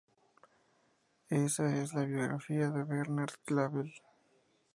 Esa es la biografía de Bernard Clavel.